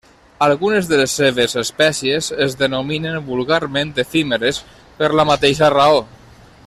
Algunes de les seves espècies es denominen vulgarment efímeres, per la mateixa raó.